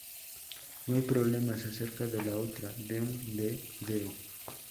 No hay problemas acerca de la otra: "Deum de Deo".